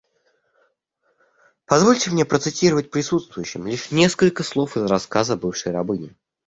Позвольте мне процитировать присутствующим лишь несколько слов из рассказа бывшей рабыни.